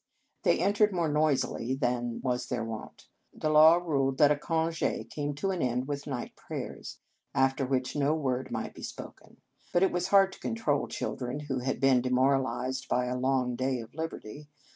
They entered more noisily than was their wont. The law ruled that a conge came to an end with night prayers, after which no word might be spoken; but it was hard to control children who had been demoralized by a long day of liberty.